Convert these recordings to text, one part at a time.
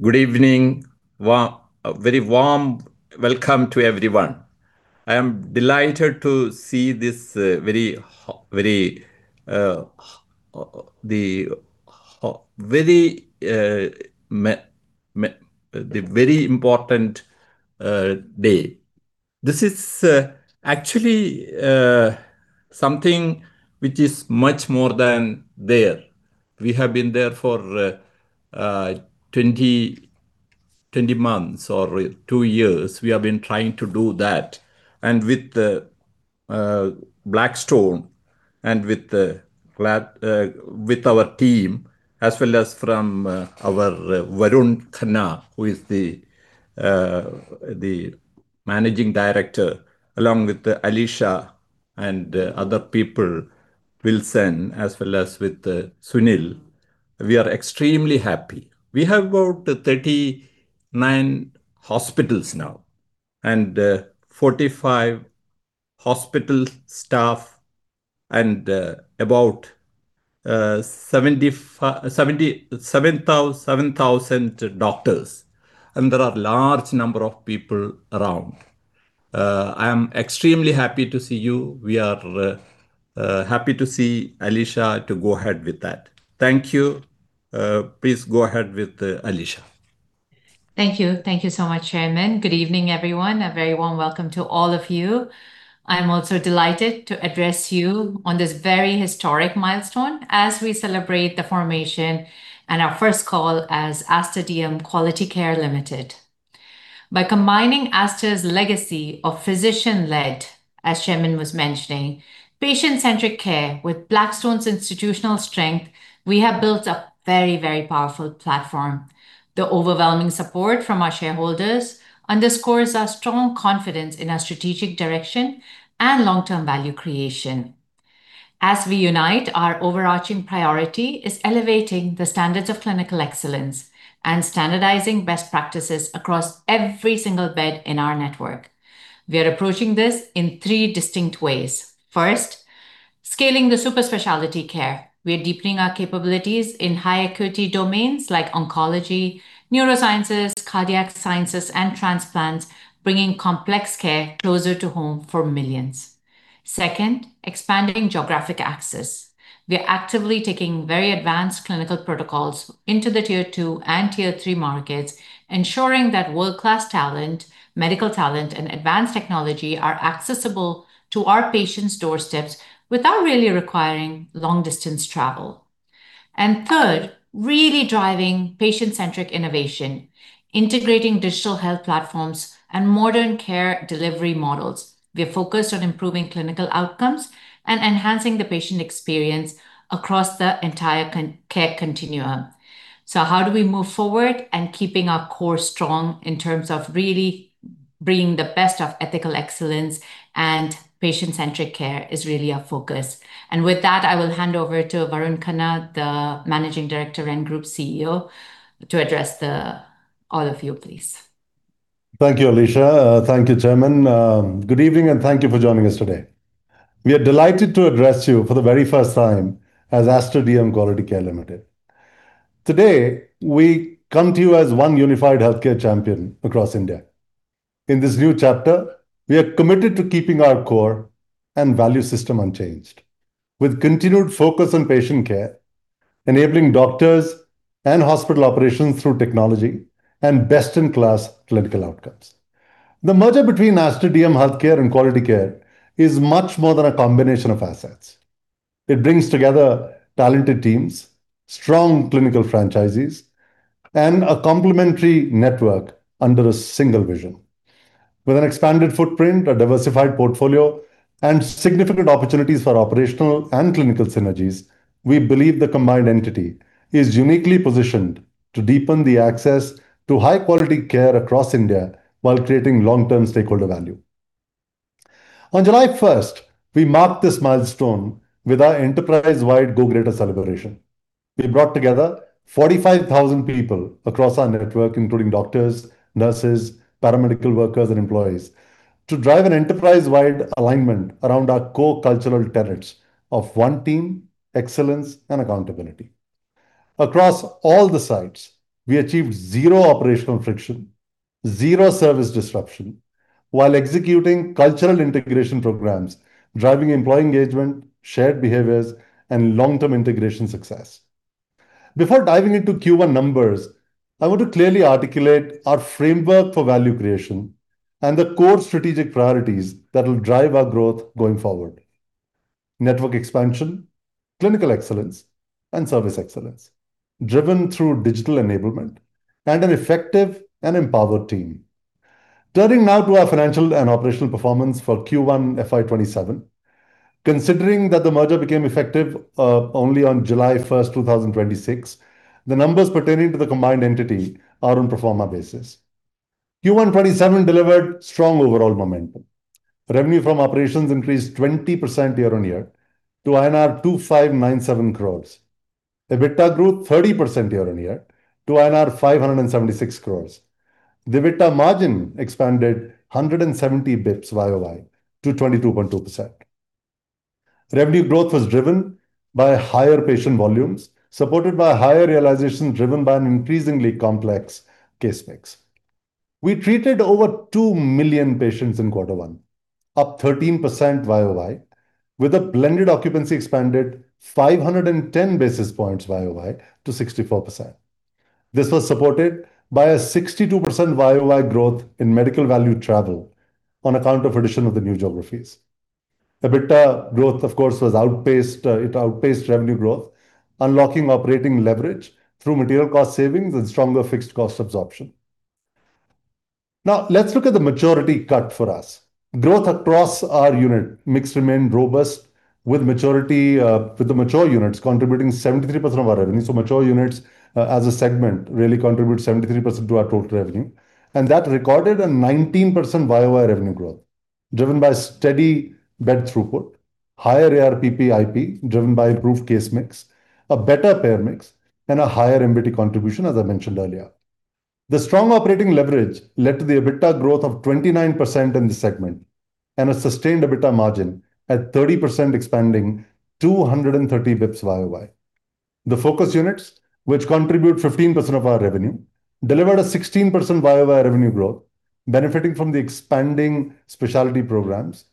Good evening. A very warm welcome to everyone. I am delighted to see this very important day. This is actually something which is much more than there. We have been there for 20 months or two years. We have been trying to do that. With Blackstone and with our team, as well as from our Varun Khanna, who is the Managing Director, along with Alisha and other people, Wilson, as well as with Sunil, we are extremely happy. We have about 39 hospitals now, and 45 hospital staff, and about 7,000 doctors, and there are large number of people around. I am extremely happy to see you. We are happy to see Alisha to go ahead with that. Thank you. Please go ahead, Alisha. Thank you. Thank you so much, Chairman. Good evening, everyone. A very warm welcome to all of you. I'm also delighted to address you on this very historic milestone as we celebrate the formation and our first call as Aster DM Quality Care Ltd. By combining Aster's legacy of physician-led, as Chairman was mentioning, patient-centric care with Blackstone's institutional strength, we have built a very, very powerful platform. The overwhelming support from our shareholders underscores our strong confidence in our strategic direction and long-term value creation. As we unite, our overarching priority is elevating the standards of clinical excellence and standardizing best practices across every single bed in our network. We are approaching this in three distinct ways. First, scaling the super-specialty care. We are deepening our capabilities in high acuity domains like oncology, neurosciences, cardiac sciences, and transplants, bringing complex care closer to home for millions. Second, expanding geographic access. We are actively taking very advanced clinical protocols into the Tier 2 and Tier 3 markets, ensuring that world-class talent, medical talent, and advanced technology are accessible to our patients' doorsteps without really requiring long-distance travel. Third, really driving patient-centric innovation, integrating digital health platforms and modern care delivery models. We are focused on improving clinical outcomes and enhancing the patient experience across the entire care continuum. How do we move forward and keeping our core strong in terms of really bringing the best of ethical excellence and patient-centric care is really our focus. With that, I will hand over to Varun Khanna, the Managing Director and Group CEO, to address all of you, please. Thank you, Alisha. Thank you, Chairman. Good evening, and thank you for joining us today. We are delighted to address you for the very first time as Aster DM Quality Care Ltd. Today, we come to you as one unified healthcare champion across India. In this new chapter, we are committed to keeping our core and value system unchanged, with continued focus on patient care, enabling doctors and hospital operations through technology, and best-in-class clinical outcomes. The merger between Aster DM Healthcare and Quality Care is much more than a combination of assets. It brings together talented teams, strong clinical franchises, and a complementary network under a single vision. With an expanded footprint, a diversified portfolio, and significant opportunities for operational and clinical synergies, we believe the combined entity is uniquely positioned to deepen the access to high-quality care across India while creating long-term stakeholder value. On July 1st, we marked this milestone with our enterprise-wide Go Greater celebration. We brought together 45,000 people across our network, including doctors, nurses, paramedical workers, and employees, to drive an enterprise-wide alignment around our core cultural tenets of one team, excellence, and accountability. Across all the sites, we achieved zero operational friction, zero service disruption while executing cultural integration programs, driving employee engagement, shared behaviors, and long-term integration success. Before diving into Q1 numbers, I want to clearly articulate our framework for value creation and the core strategic priorities that will drive our growth going forward. Network expansion, clinical excellence, and service excellence driven through digital enablement and an effective and empowered team. Turning now to our financial and operational performance for Q1 FY 2027. Considering that the merger became effective only on July 1st, 2026, the numbers pertaining to the combined entity are on pro forma basis. Q1 2027 delivered strong overall momentum. Revenue from operations increased 20% year-on-year to INR 2,597 crores. EBITDA grew 30% year-on-year to INR 576 crores. The EBITDA margin expanded 170 basis points year-on-year to 22.2%. Revenue growth was driven by higher patient volumes, supported by higher realization driven by an increasingly complex case mix. We treated over 2 million patients in quarter one, up 13% year-on-year, with a blended occupancy expanded 510 basis points year-on-year to 64%. This was supported by a 62% year-on-year growth in Medical Value Travel on account of addition of the new geographies. EBITDA growth, of course, outpaced revenue growth, unlocking operating leverage through material cost savings and stronger fixed cost absorption. Let's look at the maturity cut for us. Growth across our unit mix remained robust, with the mature units contributing 73% of our revenue. Mature units, as a segment, really contribute 73% to our total revenue, and that recorded a 19% year-on-year revenue growth, driven by steady bed throughput, higher ARPP IP driven by improved case mix, a better payor mix, and a higher NBT contribution, as I mentioned earlier. The strong operating leverage led to the EBITDA growth of 29% in the segment and a sustained EBITDA margin at 30%, expanding 230 basis points year-on-year. The focus units, which contribute 15% of our revenue, delivered a 16% year-on-year revenue growth, benefiting from the expanding speciality programs,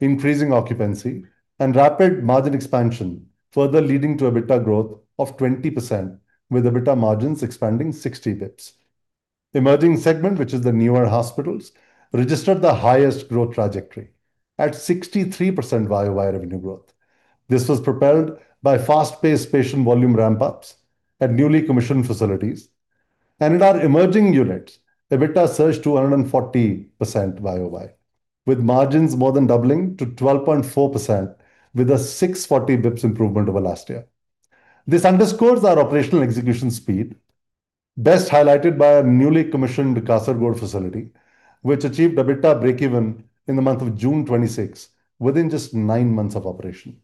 increasing occupancy, and rapid margin expansion, further leading to EBITDA growth of 20%, with EBITDA margins expanding 60 basis points. Emerging segment, which is the newer hospitals, registered the highest growth trajectory at 63% year-on-year revenue growth. This was propelled by fast-paced patient volume ramp-ups at newly commissioned facilities. In our emerging units, EBITDA surged 240% year-on-year, with margins more than doubling to 12.4% with a 640 basis points improvement over last year. This underscores our operational execution speed, best highlighted by our newly commissioned Kasaragod facility, which achieved EBITDA breakeven in the month of June 2026, within just nine months of operation.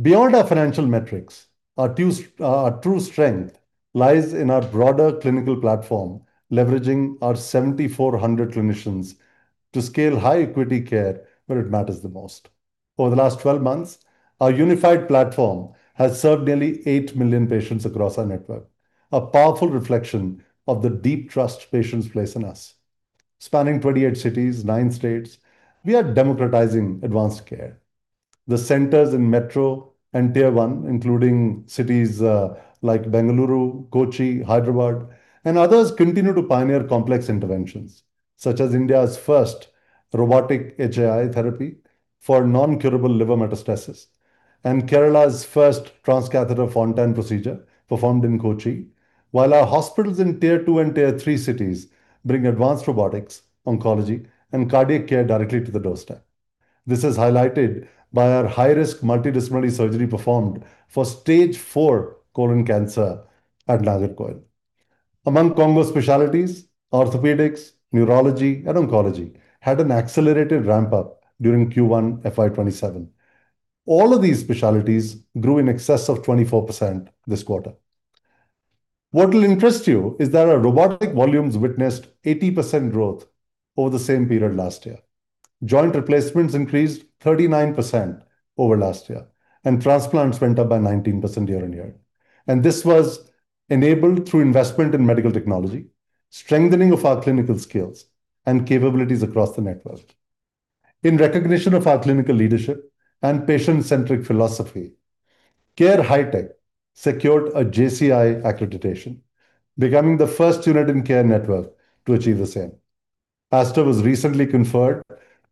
Beyond our financial metrics, our true strength lies in our broader clinical platform, leveraging our 7,400 clinicians to scale high equity care where it matters the most. Over the last 12 months, our unified platform has served nearly 8 million patients across our network, a powerful reflection of the deep trust patients place in us. Spanning 28 cities, nine states, we are democratizing advanced care. The centers in metro and Tier 1, including cities like Bangalore, Kochi, Hyderabad, and others continue to pioneer complex interventions, such as India's first robotic HAI therapy for non-curable liver metastasis, and Kerala's first transcatheter Fontan procedure performed in Kochi. While our hospitals in Tier 2 and Tier 3 cities bring advanced robotics, oncology, and cardiac care directly to the doorstep. This is highlighted by our high-risk multidisciplinary surgery performed for stage four colon cancer at Nagercoil. Among combo specialties, orthopedics, neurology, and oncology had an accelerated ramp-up during Q1 FY 2027. All of these specialties grew in excess of 24% this quarter. What will interest you is that our robotic volumes witnessed 80% growth over the same period last year. Joint replacements increased 39% over last year, and transplants went up by 19% year-on-year. This was enabled through investment in medical technology, strengthening of our clinical skills, and capabilities across the network. In recognition of our clinical leadership and patient-centric philosophy, CARE HITEC secured a JCI accreditation, becoming the first unit in CARE Network to achieve the same. Aster was recently conferred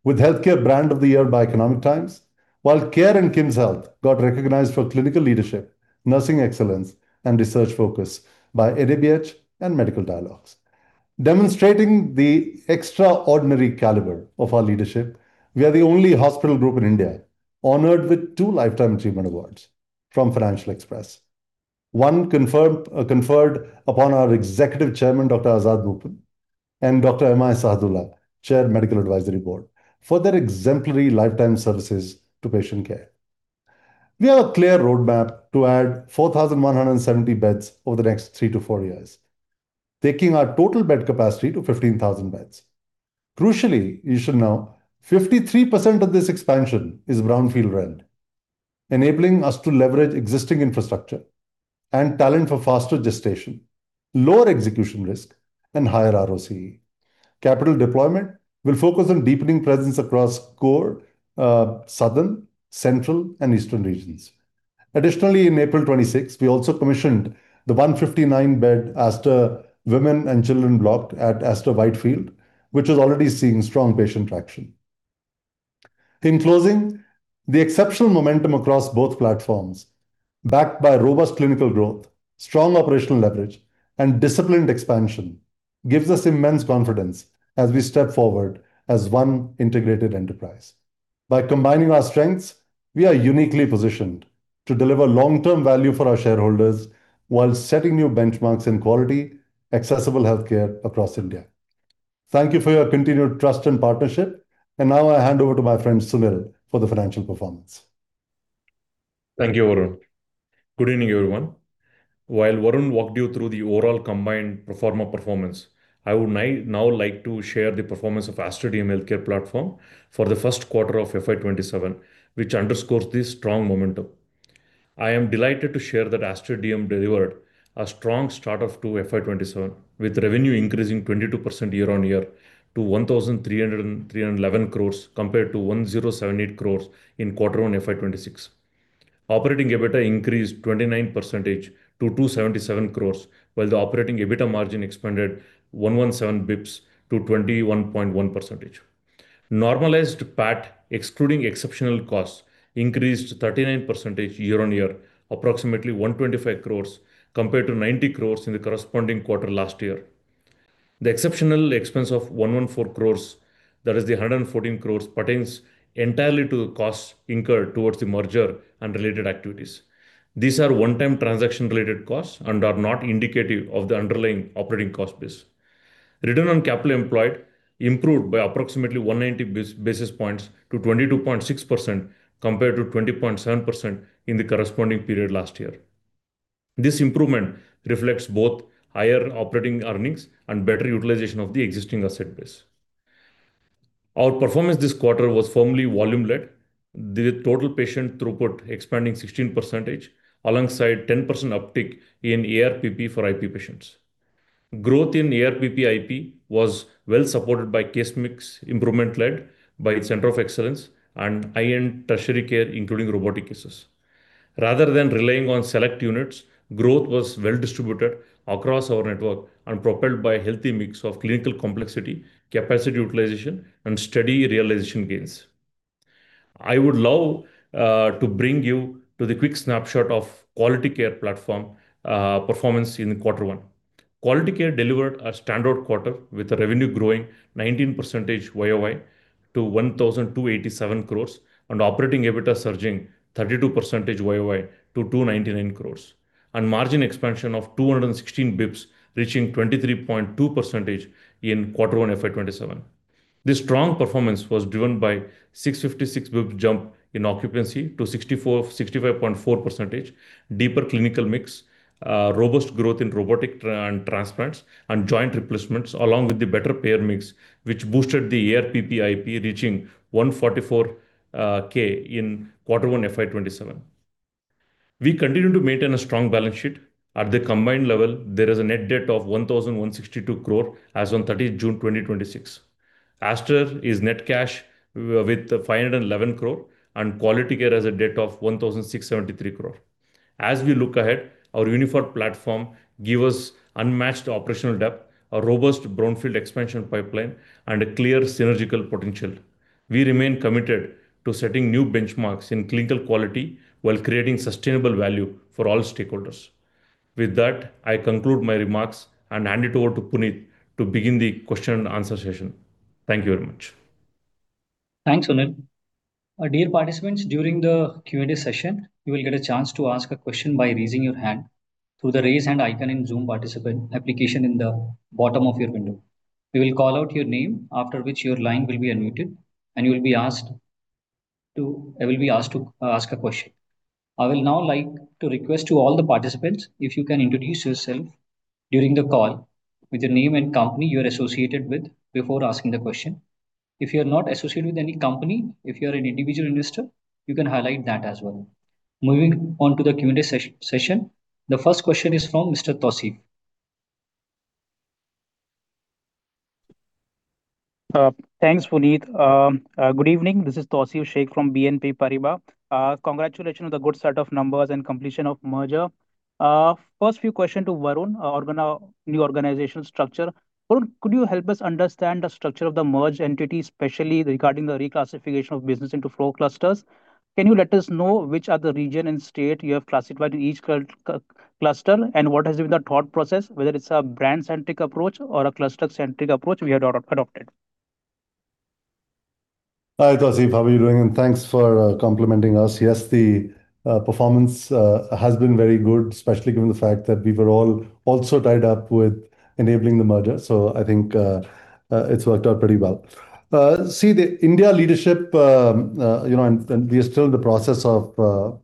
with Best Healthcare Brand of the Year by The Economic Times, while CARE and KIMSHEALTH got recognized for clinical leadership, nursing excellence, and research focus by ABDM and Medical Dialogues. Demonstrating the extraordinary caliber of our leadership, we are the only hospital group in India honored with two lifetime achievement awards from Financial Express. One conferred upon our Executive Chairman, Dr. Azad Moopen, and Dr. M.I. Sahadullah, Chair, Medical Advisory Board, for their exemplary lifetime services to patient care. We have a clear roadmap to add 4,170 beds over the next three to four years, taking our total bed capacity to 15,000 beds. Crucially, you should know 53% of this expansion is brownfield rent, enabling us to leverage existing infrastructure and talent for faster gestation, lower execution risk, and higher ROCE. Capital deployment will focus on deepening presence across core Southern, Central, and Eastern regions. Additionally, in April 2026, we also commissioned the 159-bed Aster Women & Children block at Aster Whitefield, which is already seeing strong patient traction. In closing, the exceptional momentum across both platforms, backed by robust clinical growth, strong operational leverage, and disciplined expansion gives us immense confidence as we step forward as one integrated enterprise. By combining our strengths, we are uniquely positioned to deliver long-term value for our shareholders while setting new benchmarks in quality, accessible healthcare across India. Thank you for your continued trust and partnership. Now I hand over to my friend Sunil for the financial performance. Thank you, Varun. Good evening, everyone. While Varun walked you through the overall combined pro forma performance, I would now like to share the performance of Aster DM Healthcare platform for the first quarter of FY 2027, which underscores this strong momentum. I am delighted to share that Aster DM delivered a strong start to FY 2027, with revenue increasing 22% year-over-year to 1,311 crore compared to 1,078 crore in quarter one FY 2026. Operating EBITDA increased 29% to 277 crore, while the operating EBITDA margin expanded 117 basis points to 21.1%. Normalized PAT, excluding exceptional costs, increased 39% year-over-year, approximately 125 crore compared to 90 crore in the corresponding quarter last year. The exceptional expense of 114 crore pertains entirely to the costs incurred towards the merger and related activities. These are one-time transaction-related costs and are not indicative of the underlying operating cost base. Return on capital employed improved by approximately 190 basis points to 22.6%, compared to 20.7% in the corresponding period last year. This improvement reflects both higher operating earnings and better utilization of the existing asset base. Our performance this quarter was firmly volume-led, with total patient throughput expanding 16%, alongside 10% uptick in ARPP for IP patients. Growth in ARPP IP was well supported by case mix improvement led by its center of excellence and high-end tertiary care, including robotic cases. Rather than relying on select units, growth was well distributed across our network and propelled by a healthy mix of clinical complexity, capacity utilization, and steady realization gains. I would love to bring you to the quick snapshot of Quality Care platform performance in quarter one. Quality Care delivered a standard quarter with the revenue growing 19% year-over-year to 1,287 crore, and operating EBITDA surging 32% year-over-year to 299 crore, and margin expansion of 216 basis points, reaching 23.2% in quarter one FY 2027. This strong performance was driven by 656 basis points jump in occupancy to 65.4%, deeper clinical mix, robust growth in robotic and transplants, and joint replacements, along with the better payer mix, which boosted the ARPP IP reaching INR 144K in quarter one FY 2027. We continue to maintain a strong balance sheet. At the combined level, there is a net debt of 1,162 crore as on June 30th, 2026. Aster is net cash with 511 crore, and Quality Care has a debt of 1,673 crore. As we look ahead, our unified platform gives us unmatched operational depth, a robust brownfield expansion pipeline, and a clear synergical potential. We remain committed to setting new benchmarks in clinical quality while creating sustainable value for all stakeholders. With that, I conclude my remarks and hand it over to Puneet to begin the question and answer session. Thank you very much. Thanks, Sunil. Dear participants, during the Q&A session, you will get a chance to ask a question by raising your hand through the Raise Hand icon in Zoom participant application in the bottom of your window. We will call out your name, after which your line will be unmuted, and you will be asked to ask a question. I will now like to request to all the participants if you can introduce yourself during the call with your name and company you are associated with before asking the question. If you are not associated with any company, if you are an individual investor, you can highlight that as well. Moving on to the Q&A session. The first question is from Mr. Tausif. Thanks, Puneet. Good evening. This is Tausif Shaikh from BNP Paribas. Congratulations on the good set of numbers and completion of merger. First few question to Varun on new organizational structure. Varun, could you help us understand the structure of the merged entity, especially regarding the reclassification of business into four clusters? Can you let us know which are the region and state you have classified in each cluster, and what has been the thought process, whether it's a brand centric approach or a cluster centric approach we have adopted? Hi, Tausif. How are you doing? Thanks for complimenting us. Yes, the performance has been very good, especially given the fact that we were all also tied up with enabling the merger. I think it's worked out pretty well. See, the India leadership, we are still in the process of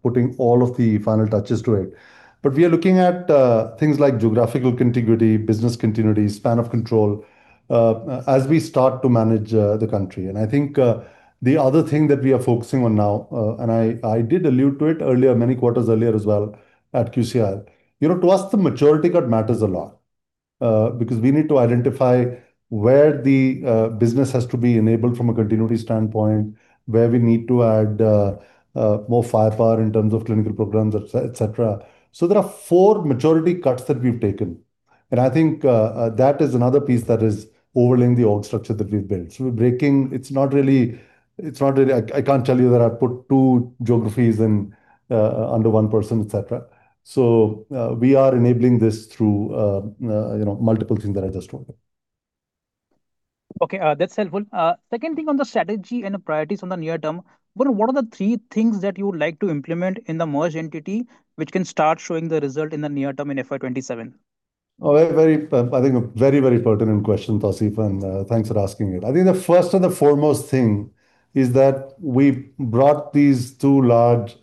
putting all of the final touches to it. We are looking at things like geographical contiguity, business continuity, span of control, as we start to manage the country. I think the other thing that we are focusing on now, and I did allude to it earlier, many quarters earlier as well at QCIL. To us, the maturity cut matters a lot. We need to identify where the business has to be enabled from a continuity standpoint, where we need to add more firepower in terms of clinical programs, etc. There are four maturity cuts that we've taken, I think that is another piece that is overlaying the org structure that we've built. I can't tell you that I've put two geographies under one person, etc. We are enabling this through multiple things that I just told you. Okay, that's helpful. Second thing on the strategy and the priorities on the near term. Varun, what are the three things that you would like to implement in the merged entity, which can start showing the result in the near term in FY 2027? A very pertinent question, Tausif, and thanks for asking it. I think the first and the foremost thing is that we brought these two large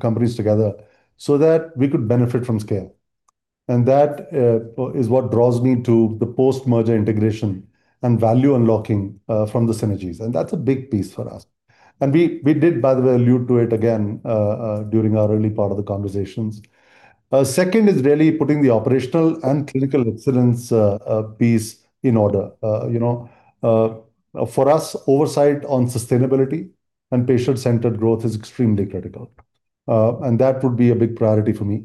companies together so that we could benefit from scale. That is what draws me to the post-merger integration and value unlocking from the synergies. That's a big piece for us. We did, by the way, allude to it again during our early part of the conversations. Second is really putting the operational and clinical incidence piece in order. For us, oversight on sustainability and patient-centered growth is extremely critical. That would be a big priority for me.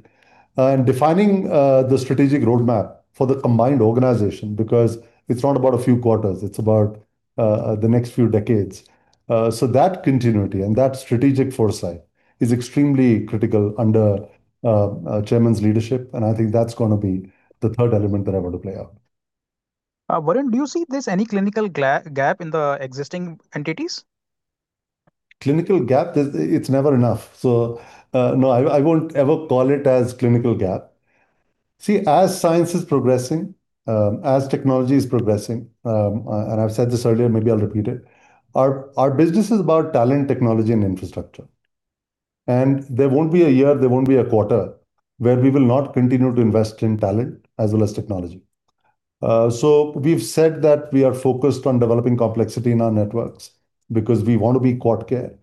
Defining the strategic roadmap for the combined organization, because it's not about a few quarters, it's about the next few decades. That continuity and that strategic foresight is extremely critical under chairman's leadership, and I think that's going to be the third element that I want to play out. Varun, do you see there's any clinical gap in the existing entities? Clinical gap, it's never enough. No, I won't ever call it as clinical gap. See, as science is progressing, as technology is progressing, I've said this earlier, maybe I'll repeat it. Our business is about talent, technology, and infrastructure. There won't be a year, there won't be a quarter where we will not continue to invest in talent as well as technology. We've said that we are focused on developing complexity in our networks because we want to be quad care.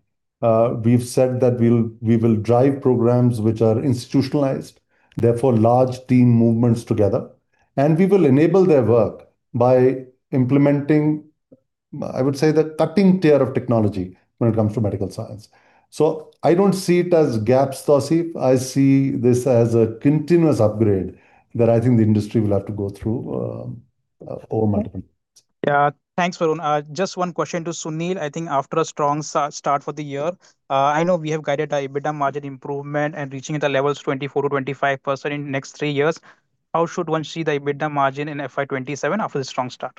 We've said that we will drive programs which are institutionalized, therefore large team movements together. We will enable their work by implementing, I would say, the cutting tier of technology when it comes to medical science. I don't see it as gaps, Tausif. I see this as a continuous upgrade that I think the industry will have to go through over multiple years. Yeah. Thanks, Varun. Just one question to Sunil. I think after a strong start for the year, I know we have guided our EBITDA margin improvement and reaching the levels 24%-25% in next three years. How should one see the EBITDA margin in FY 2027 after the strong start?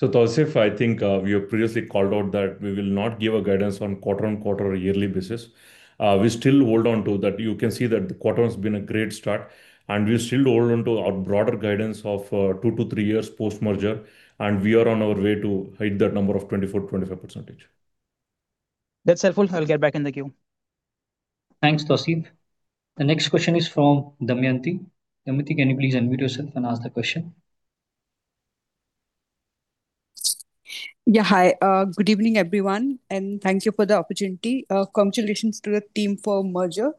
Tausif, I think we have previously called out that we will not give a guidance on quarter on quarter or yearly basis. We still hold on to that. You can see that the quarter has been a great start, we still hold on to our broader guidance of two to three years post-merger, we are on our way to hit that number of 24%-25%. That's helpful. I'll get back in the queue. Thanks, Tausif. The next question is from Damayanti. Damayanti, can you please unmute yourself and ask the question? Yeah. Hi. Good evening, everyone, and thank you for the opportunity. Congratulations to the team for merger.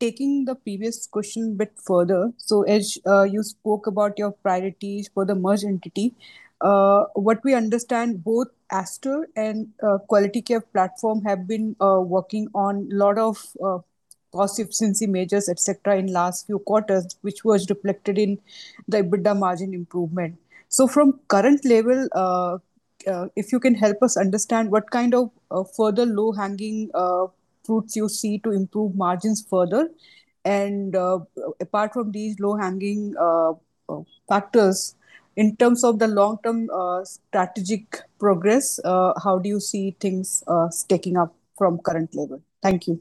Taking the previous question a bit further. As you spoke about your priorities for the merged entity, what we understand both Aster and Quality Care platform have been working on lot of cost efficiency measures, etc., in last few quarters, which was reflected in the EBITDA margin improvement. From current level, if you can help us understand what kind of further low-hanging fruits you see to improve margins further. Apart from these low-hanging factors, in terms of the long-term strategic progress, how do you see things stacking up from current level? Thank you.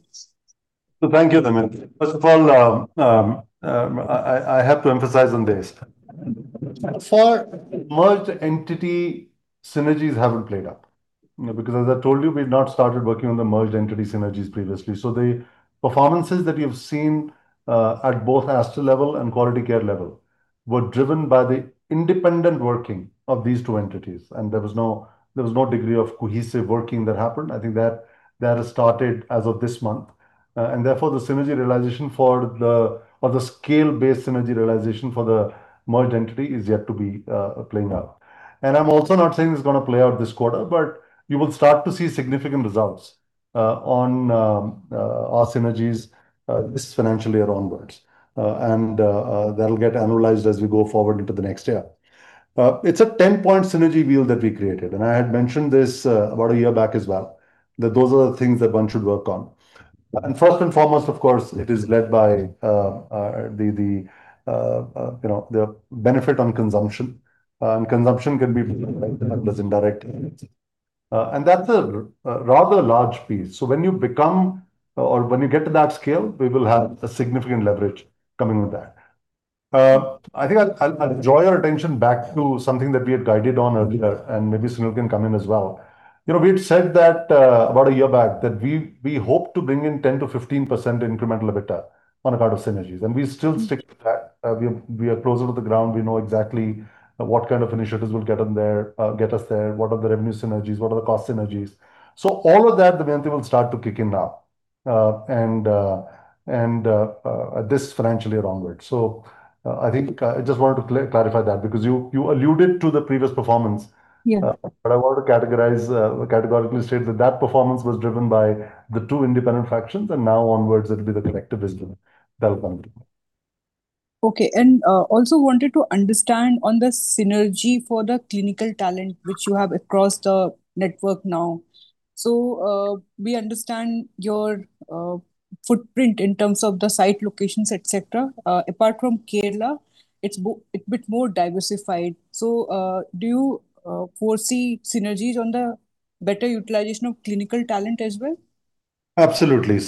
Thank you, Damayanti. First of all, I have to emphasize on this. For merged entity, synergies haven't played out. As I told you, we've not started working on the merged entity synergies previously. The performances that we have seen at both Aster level and Quality Care level were driven by the independent working of these two entities, and there was no degree of cohesive working that happened. I think that has started as of this month. Therefore the synergy realization for the or the scale-based synergy realization for the merged entity is yet to be playing out. I'm also not saying it's going to play out this quarter, but you will start to see significant results on our synergies this financial year onwards. That'll get analyzed as we go forward into the next year. It's a 10-point synergy wheel that we created, I had mentioned this about a year back as well, that those are the things that one should work on. First and foremost, of course, it is led by the benefit on consumption. Consumption can be indirect. That's a rather large piece. When you become, or when you get to that scale, we will have a significant leverage coming with that. I think I'll draw your attention back to something that we had guided on earlier, and maybe Sunil can come in as well. We had said that about a year back that we hope to bring in 10%-15% incremental EBITDA on account of synergies, and we still stick to that. We are closer to the ground. We know exactly what kind of initiatives will get us there, what are the revenue synergies, what are the cost synergies. All of that, Damayanti, will start to kick in now. This financial year onwards. I think I just wanted to clarify that because you alluded to the previous performance. Yeah. I want to categorically state that that performance was driven by the two independent factions, and now onwards it'll be the collective wisdom that'll come into play. Okay. Also wanted to understand on the synergy for the clinical talent which you have across the network now. We understand your footprint in terms of the site locations, etc. Apart from Kerala, it's a bit more diversified. Do you foresee synergies on the better utilization of clinical talent as well? Absolutely.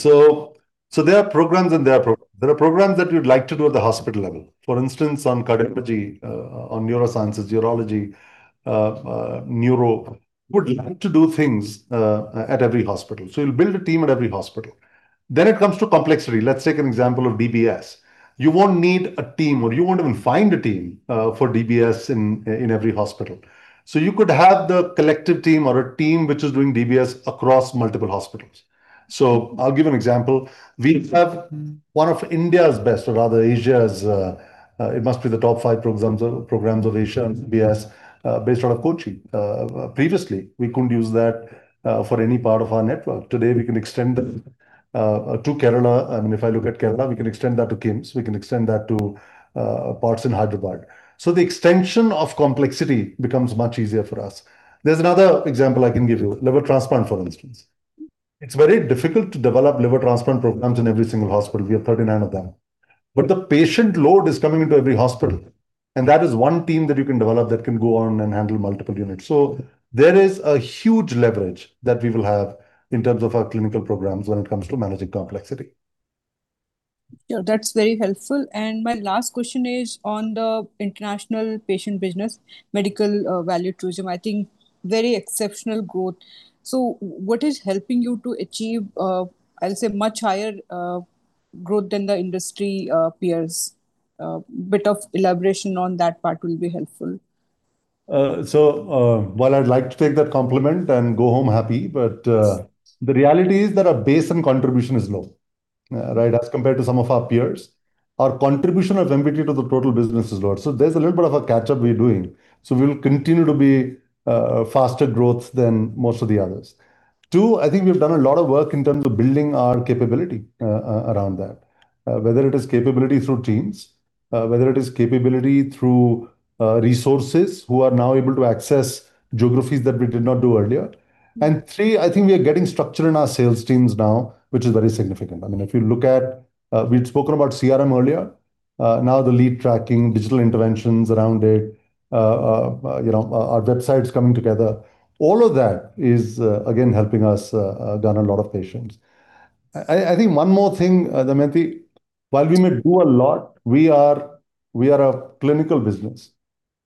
There are programs that we'd like to do at the hospital level. For instance, on cardiology, on neurosciences, urology, neuro, would like to do things at every hospital. You'll build a team at every hospital. It comes to complexity. Let's take an example of DBS. You won't need a team, or you won't even find a team for DBS in every hospital. You could have the collective team or a team which is doing DBS across multiple hospitals. I'll give an example. We have one of India's best, or rather Asia's, it must be the top five programs of Asia in DBS based out of Kochi. Previously, we couldn't use that for any part of our network. Today, we can extend that to Kerala, and if I look at Kerala, we can extend that to KIMS, we can extend that to parts in Hyderabad. The extension of complexity becomes much easier for us. There's another example I can give you. Liver transplant, for instance. It's very difficult to develop liver transplant programs in every single hospital. We have 39 of them. The patient load is coming into every hospital, and that is one team that you can develop that can go on and handle multiple units. There is a huge leverage that we will have in terms of our clinical programs when it comes to managing complexity. Yeah, that's very helpful. My last question is on the international patient business, medical value tourism. I think very exceptional growth. What is helping you to achieve, I'll say, much higher growth than the industry peers? A bit of elaboration on that part will be helpful. While I'd like to take that compliment and go home happy, but the reality is that our base and contribution is low, right, as compared to some of our peers. Our contribution of MVT to the total business is low. There's a little bit of a catch-up we're doing. We'll continue to be faster growth than most of the others. Two, I think we've done a lot of work in terms of building our capability around that, whether it is capability through teams, whether it is capability through resources who are now able to access geographies that we did not do earlier. Three, I think we are getting structure in our sales teams now, which is very significant. If you look at, we'd spoken about CRM earlier. Now the lead tracking, digital interventions around it, our websites coming together. All of that is, again, helping us gain a lot of patients. I think one more thing, Damayanti, while we may do a lot, we are a clinical business.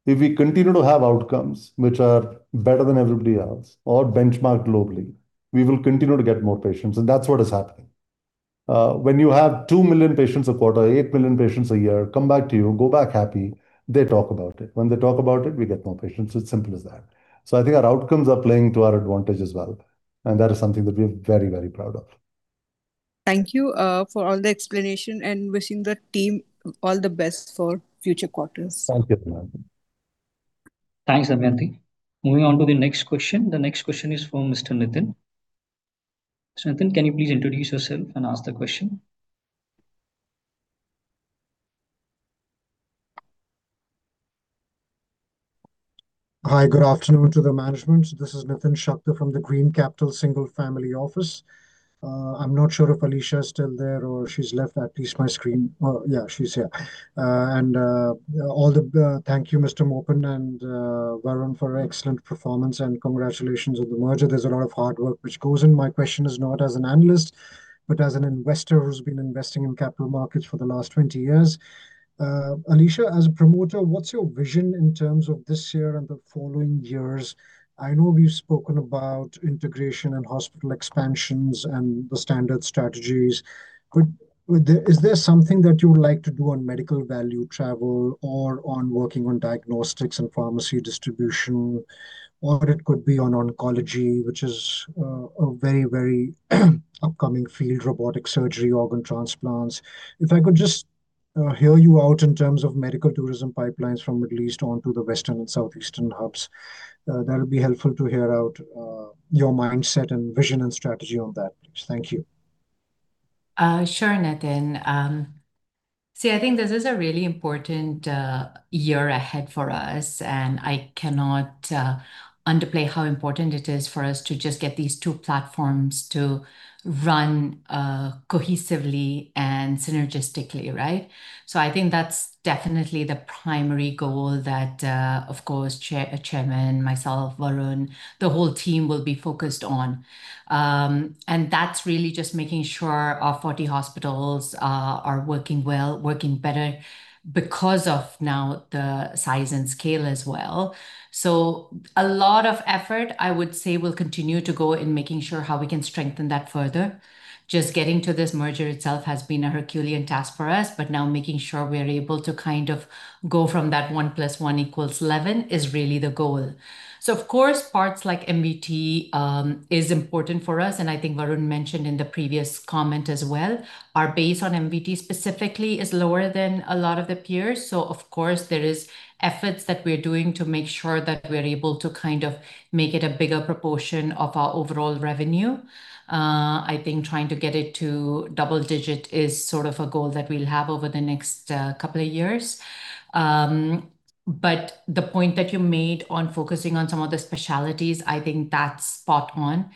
If we continue to have outcomes which are better than everybody else or benchmarked globally, we will continue to get more patients, and that's what is happening. When you have 2 million patients a quarter, 8 million patients a year, come back to you, go back happy, they talk about it. When they talk about it, we get more patients. It's simple as that. I think our outcomes are playing to our advantage as well, and that is something that we're very proud of. Thank you for all the explanation, and wishing the team all the best for future quarters. Thank you. Thanks, Damayanti. Moving on to the next question. The next question is from Mr. Nitin. Mr. Nitin, can you please introduce yourself and ask the question? Hi, good afternoon to the management. This is Nitin Shakdher from the Green Capital Single Family Office. I'm not sure if Alisha is still there or she's left, at least my screen. Yeah, she's here. Thank you, Mr. Moopen and Varun, for excellent performance, and congratulations on the merger. There's a lot of hard work which goes in. My question is not as an analyst, but as an investor who's been investing in capital markets for the last 20 years. Alisha, as a promoter, what's your vision in terms of this year and the following years? I know we've spoken about integration and hospital expansions and the standard strategies. Is there something that you would like to do on Medical Value Travel or on working on diagnostics and pharmacy distribution, or it could be on oncology, which is a very upcoming field, robotic surgery, organ transplants. If I could just hear you out in terms of medical tourism pipelines from Middle East onto the Western and Southeastern hubs. That will be helpful to hear out your mindset and vision and strategy on that. Thank you. Sure, Nitin. I think this is a really important year ahead for us, and I cannot underplay how important it is for us to just get these two platforms to run cohesively and synergistically, right? I think that is definitely the primary goal that, of course, chairman, myself, Varun, the whole team will be focused on. That is really just making sure our 40 hospitals are working well, working better because of now the size and scale as well. A lot of effort, I would say, will continue to go in making sure how we can strengthen that further. Just getting to this merger itself has been a Herculean task for us, but now making sure we are able to kind of go from that 1 + 1 = 11 is really the goal. Of course, parts like MVT is important for us, and I think Varun mentioned in the previous comment as well. Our base on MVT specifically is lower than a lot of the peers. Of course, there is efforts that we are doing to make sure that we are able to kind of make it a bigger proportion of our overall revenue. I think trying to get it to double digit is sort of a goal that we will have over the next couple of years. The point that you made on focusing on some of the specialties, I think that is spot on.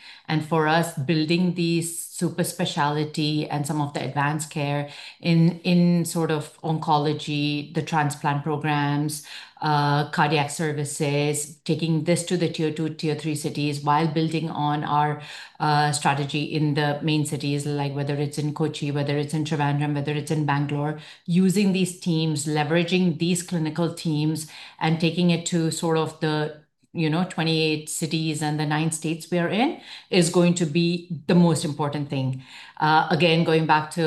For us, building these super specialty and some of the advanced care in oncology, the transplant programs, cardiac services, taking this to the Tier 2, Tier 3 cities while building on our strategy in the main cities, whether it is in Kochi, whether it is in Trivandrum, whether it is in Bangalore. Using these teams, leveraging these clinical teams and taking it to the 28 cities and the nine states we are in, is going to be the most important thing. Again, going back to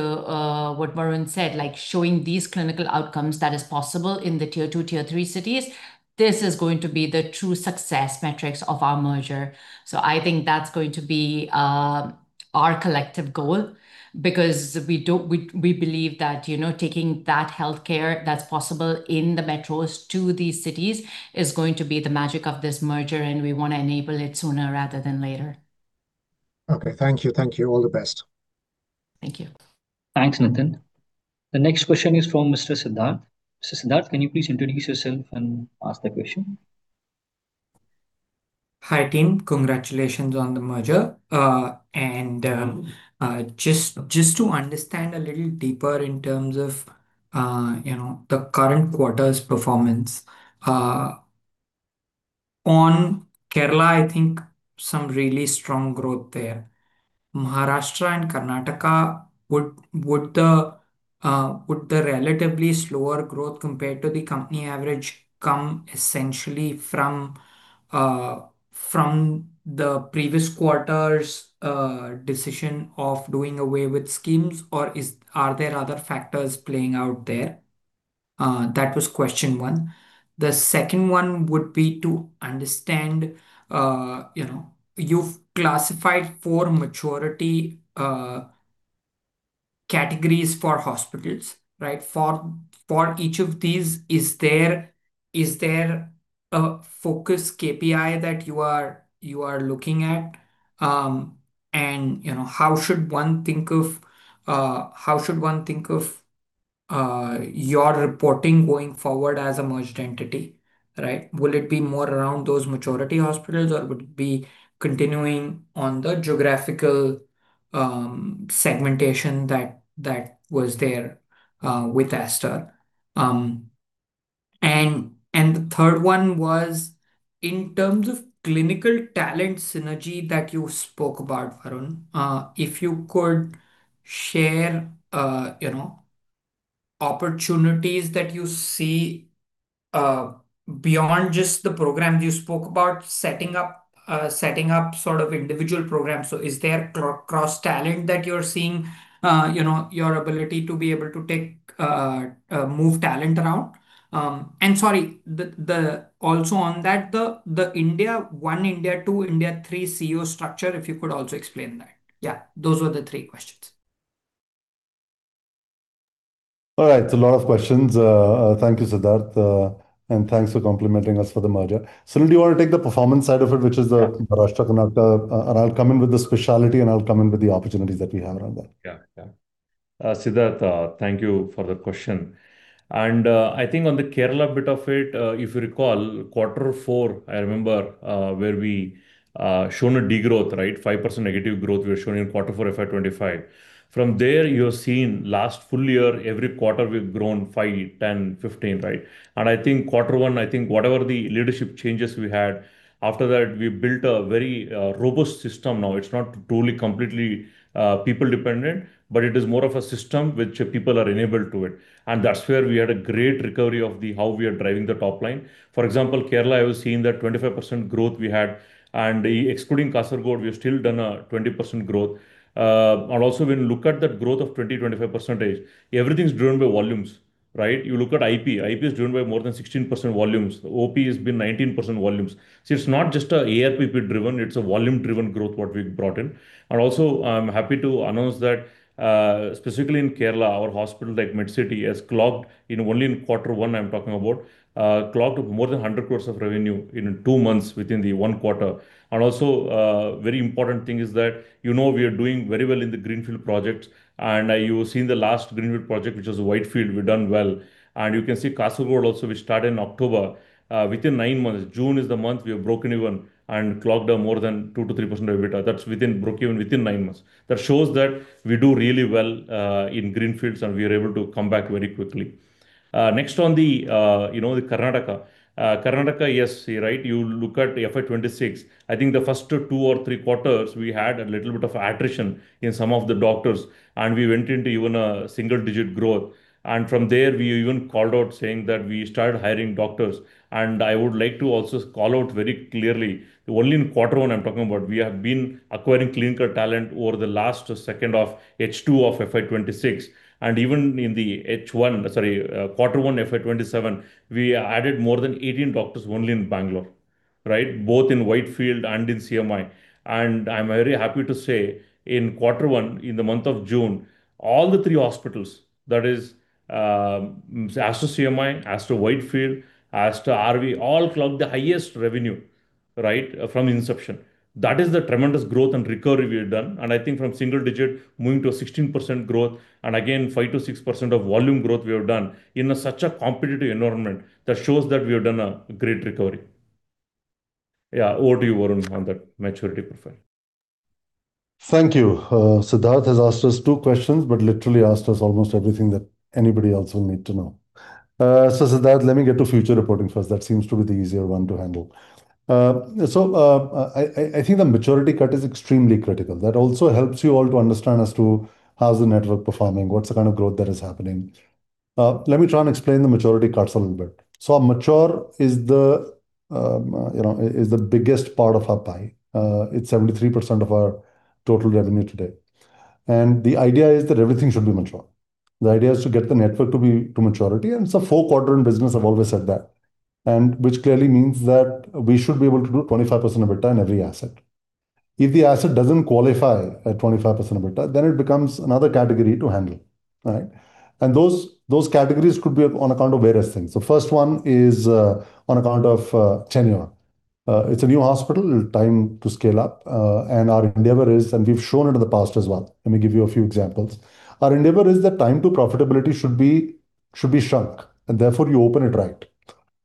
what Varun said, showing these clinical outcomes that is possible in the Tier 2, Tier 3 cities, this is going to be the true success metrics of our merger. I think that's going to be our collective goal because we believe that taking that healthcare that's possible in the metros to these cities is going to be the magic of this merger, and we want to enable it sooner rather than later. Okay. Thank you. All the best. Thank you. Thanks, Nitin. The next question is from Mr. Siddharth. Mr. Siddharth, can you please introduce yourself and ask the question? Hi, team. Congratulations on the merger. Just to understand a little deeper in terms of the current quarter's performance. On Kerala, I think some really strong growth there. Maharashtra and Karnataka, would the relatively slower growth compared to the company average come essentially from the previous quarter's decision of doing away with schemes, or are there other factors playing out there? That was question one. The second one would be to understand, you've classified four maturity categories for hospitals, right? For each of these, is there a focus KPI that you are looking at? How should one think of your reporting going forward as a merged entity, right? Will it be more around those maturity hospitals, or would it be continuing on the geographical segmentation that was there with Aster? The third one was, in terms of clinical talent synergy that you spoke about, Varun, if you could share opportunities that you see beyond just the programs you spoke about, setting up individual programs. Is there cross talent that you're seeing, your ability to be able to move talent around? Sorry, also on that, the India 1, India 2, India 3 CEO structure, if you could also explain that. Yeah, those were the three questions. All right. It's a lot of questions. Thank you, Siddharth, and thanks for complimenting us for the merger. Sunil, do you want to take the performance side of it, which is the Maharashtra, Karnataka, I'll come in with the specialty and I'll come in with the opportunities that we have around that. Yeah. Siddharth, thank you for the question. I think on the Kerala bit of it, if you recall quarter four, I remember where we shown a degrowth, right? 5% negative growth we were showing in quarter four, FY 2025. From there, you have seen last full year, every quarter we've grown 5, 10, 15, right? I think quarter one, I think whatever the leadership changes we had, after that, we built a very robust system now. It's not truly completely people dependent, but it is more of a system which people are enabled to it. That's where we had a great recovery of how we are driving the top line. For example, Kerala, you have seen that 25% growth we had. Excluding Kasaragod, we've still done a 20% growth. Also when you look at that growth of 20%, 25%, everything's driven by volumes, right? IP is driven by more than 16% volumes. OP has been 19% volumes. It's not just ARPP driven, it's a volume driven growth, what we've brought in. I'm happy to announce that, specifically in Kerala, our hospital like Medcity has clocked, only in Q1 I'm talking about, clocked more than 100 crores of revenue in two months within the one quarter. Very important thing is that, you know we are doing very well in the greenfield projects. You have seen the last greenfield project, which was Whitefield, we've done well. You can see Kasaragod also, which started in October, within nine months. June is the month we have broken even and clocked up more than 2%-3% EBITDA. That's broken even within nine months. That shows that we do really well in greenfields and we are able to come back very quickly. Next on the Karnataka. Karnataka, yes, right? FY 2026, I think the first two or three quarters, we had a little bit of attrition in some of the doctors, and we went into even a single digit growth. From there we even called out saying that we started hiring doctors. I would like to also call out very clearly, only in Q1 I'm talking about, we have been acquiring clinical talent over the last second of H2 of FY 2026. Even in the H1, Q1, FY 2027, we added more than 18 doctors only in Bangalore, right? Both in Whitefield and in CMI. I'm very happy to say in Q1, in the month of June, all the three hospitals, that is Aster CMI, Aster Whitefield, Aster RV, all clocked the highest revenue. Right? From inception. That is the tremendous growth and recovery we have done. I think from single digit moving to a 16% growth, and again, 5%-6% of volume growth we have done in such a competitive environment. That shows that we have done a great recovery. Over to you, Varun, on that maturity profile. Thank you. Siddharth has asked us two questions, but literally asked us almost everything that anybody else will need to know. Siddharth, let me get to future reporting first. That seems to be the easier one to handle. I think the maturity cut is extremely critical. That also helps you all to understand as to how's the network performing, what's the kind of growth that is happening. Let me try and explain the maturity cuts a little bit. Mature is the biggest part of our pie. It's 73% of our total revenue today. The idea is that everything should be mature. The idea is to get the network to maturity, and it's a four quarter in business, I've always said that. Which clearly means that we should be able to do 25% EBITDA in every asset. If the asset doesn't qualify at 25% EBITDA, then it becomes another category to handle. Right? Those categories could be on account of various things. First one is, on account of tenure. It's a new hospital, time to scale up. Our endeavor is, we've shown it in the past as well. Let me give you a few examples. Our endeavor is that time to profitability should be shrunk, and therefore you open it right.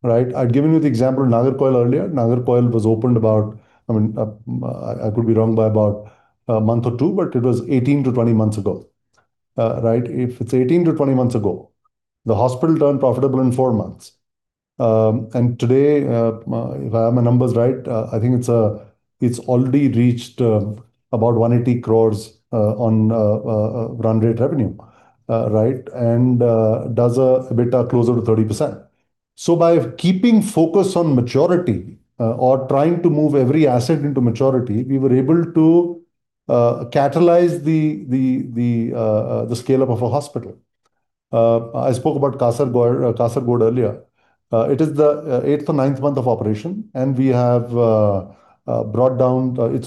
Right? I'd given you the example of Nagercoil earlier. Nagercoil was opened about, I could be wrong by about a month or two, but it was 18-20 months ago. If it's 18-20 months ago, the hospital turned profitable in four months. Today, if I have my numbers right, I think it's already reached about 180 crores on run rate revenue. Right? Does EBITDA closer to 30%. By keeping focus on maturity or trying to move every asset into maturity, we were able to catalyze the scale-up of a hospital. I spoke about Kasaragod earlier. It is the eighth or ninth month of operation, and it's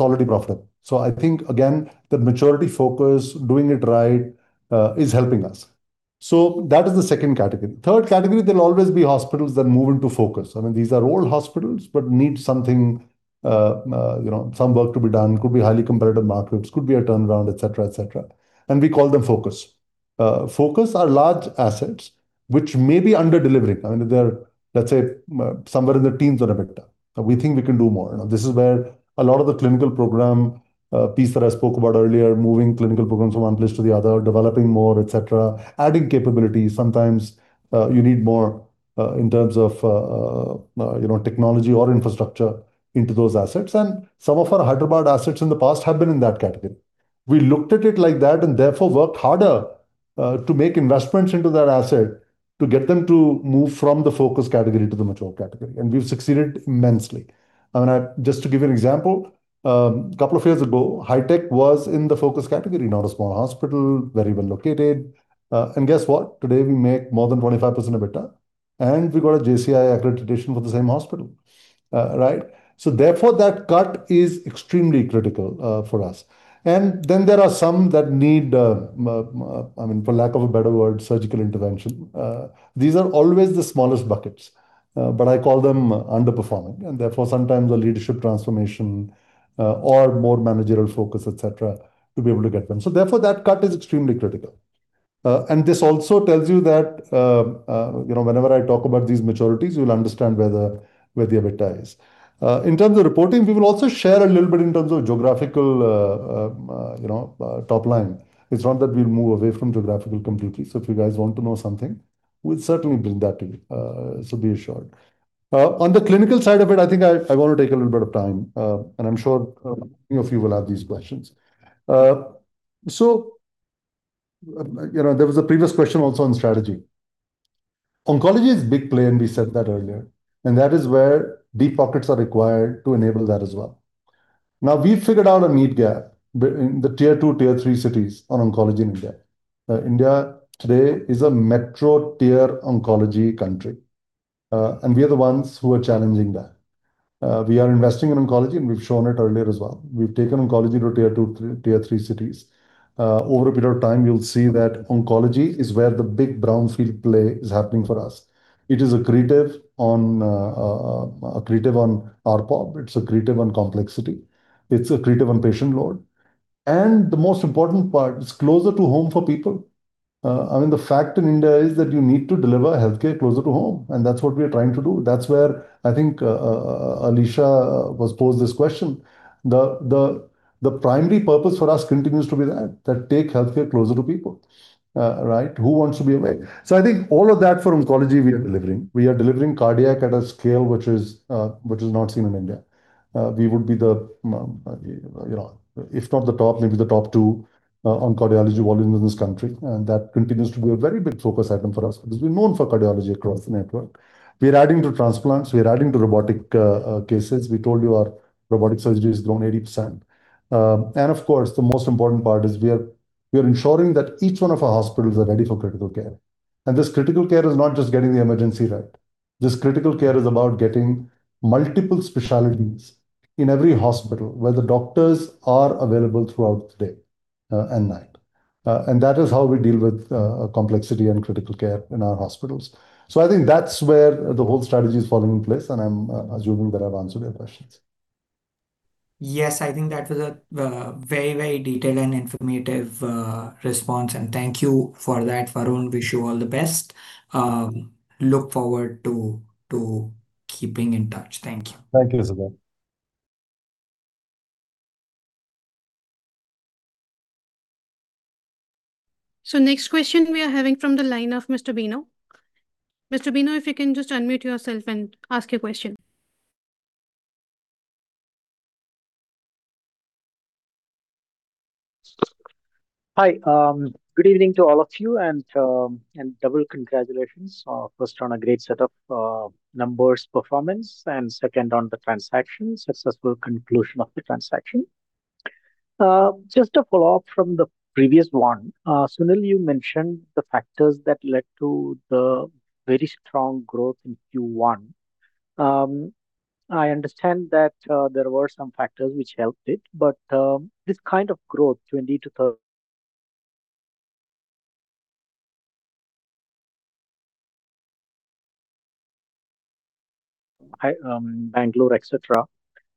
already profitable. I think, again, the maturity focus, doing it right, is helping us. That is the second category. Third category, there'll always be hospitals that move into focus. These are old hospitals, but need something, some work to be done. Could be highly competitive markets, could be a turnaround, etc. We call them focus. Focus are large assets which may be under-delivering. They're, let's say, somewhere in the teens on EBITDA, and we think we can do more. This is where a lot of the clinical program piece that I spoke about earlier, moving clinical programs from one place to the other, developing more, etc. Adding capabilities. Sometimes you need more in terms of technology or infrastructure into those assets. Some of our Hyderabad assets in the past have been in that category. We looked at it like that, and therefore worked harder to make investments into that asset to get them to move from the focus category to the mature category, and we've succeeded immensely. Just to give you an example, a couple of years ago, CARE HITEC was in the focus category. Not a small hospital, very well located. Guess what? Today we make more than 25% EBITDA, and we got a JCI accreditation for the same hospital. Right? Therefore, that cut is extremely critical for us. Then there are some that need, for lack of a better word, surgical intervention. These are always the smallest buckets. I call them underperforming, and therefore sometimes a leadership transformation or more managerial focus, etc., to be able to get them. Therefore, that cut is extremely critical. This also tells you that whenever I talk about these maturities, you'll understand where the EBITDA is. In terms of reporting, we will also share a little bit in terms of geographical top line. It's not that we'll move away from geographical completely. If you guys want to know something, we'll certainly bring that to you. Be assured. On the clinical side of it, I think I want to take a little bit of time. I'm sure a few of you will have these questions. There was a previous question also on strategy. Oncology is a big play. We said that earlier. That is where deep pockets are required to enable that as well. Now, we've figured out a need gap in the Tier 2, Tier 3 cities on oncology in India. India today is a metro-tier oncology country. We are the ones who are challenging that. We are investing in oncology, and we've shown it earlier as well. We've taken oncology to Tier 2, Tier 3 cities. Over a period of time, you'll see that oncology is where the big brownfield play is happening for us. It is accretive on ARPP, it's accretive on complexity, it's accretive on patient load. The most important part, it's closer to home for people. The fact in India is that you need to deliver healthcare closer to home, and that's what we are trying to do. That's where I think Alisha was posed this question. The primary purpose for us continues to be that, to take healthcare closer to people. Right? Who wants to be away? I think all of that for oncology, we are delivering. We are delivering cardiac at a scale which is not seen in India. We would be, if not the top, maybe the top two on cardiology volume in this country, and that continues to be a very big focus item for us because we're known for cardiology across the network. We're adding to transplants, we're adding to robotic cases. We told you our robotic surgery has grown 80%. Of course, the most important part is we are ensuring that each one of our hospitals are ready for critical care. This critical care is not just getting the emergency right. This critical care is about getting multiple specialties in every hospital where the doctors are available throughout the day and night. That is how we deal with complexity and critical care in our hospitals. I think that's where the whole strategy is falling in place, and I'm assuming that I've answered your questions. Yes, I think that was a very detailed and informative response. Thank you for that, Varun. Wish you all the best. Look forward to keeping in touch. Thank you. Thank you, Siddharth. Next question we are having from the line of Mr. Bino. Mr. Bino, if you can just unmute yourself and ask your question. Hi. Good evening to all of you, double congratulations. First, on a great set of numbers performance, second on the transaction, successful conclusion of the transaction. Just to follow up from the previous one. Sunil, you mentioned the factors that led to the very strong growth in Q1. I understand that there were some factors which helped it, but this kind of growth 20%-30% Bangalore, etc.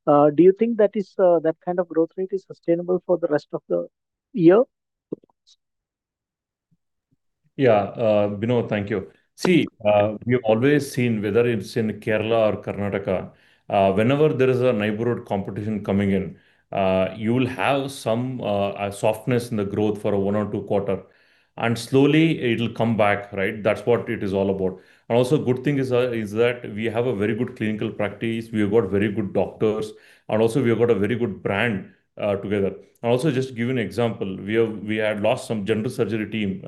Do you think that kind of growth rate is sustainable for the rest of the year? Yeah. Bino, thank you. See, we've always seen whether it's in Kerala or Karnataka, whenever there is a neighborhood competition coming in, you will have some softness in the growth for one or two quarter, slowly it'll come back. That's what it is all about. Also good thing is that we have a very good clinical practice. We've got very good doctors, also we have got a very good brand together. Also, just to give you an example, we had lost some general surgery team,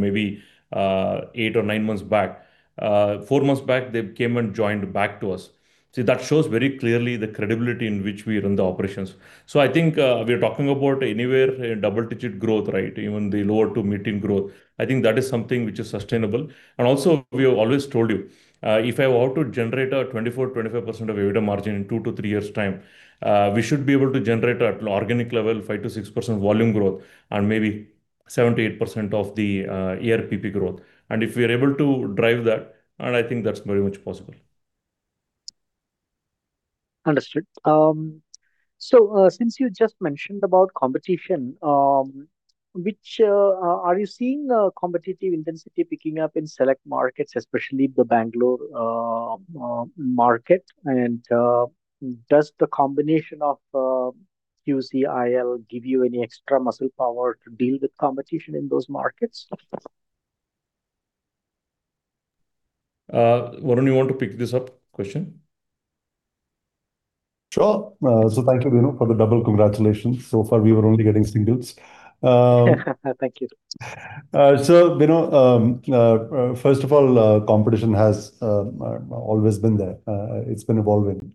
maybe eight or nine months back. Four months back, they came and joined back to us. See, that shows very clearly the credibility in which we run the operations. I think we are talking about anywhere double-digit growth. Even the lower to mid-teen growth. I think that is something which is sustainable. Also, we have always told you, if I were to generate a 24%-25% of EBITDA margin in two to three years time, we should be able to generate at organic level 5%-6% volume growth and maybe 7%-8% of the ARP growth. If we are able to drive that, I think that's very much possible. Understood. Since you just mentioned about competition, are you seeing competitive intensity picking up in select markets, especially the Bangalore market? Does the combination of QCIL give you any extra muscle power to deal with competition in those markets? Varun, you want to pick this up question? Sure. Thank you, Bino, for the double congratulations. So far, we were only getting singles. Thank you. Bino, first of all, competition has always been there. It's been evolving.